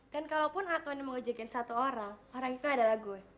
dan kalaupun a'a tony mau jagain satu orang orang itu adalah gue